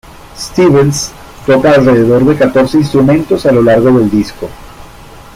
Stevens toca alrededor de catorce instrumentos a lo largo del disco.